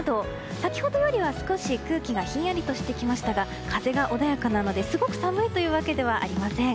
先ほどよりは少し空気がひんやりしてきましたが風が穏やかなのですごく寒いというわけではありません。